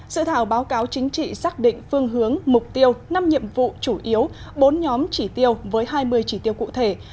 dự thảo báo cáo chính trị xác định phương hướng mục tiêu năm nhiệm vụ chủ yếu bốn nhóm chỉ tiêu với hai mươi chỉ tiêu cụ thể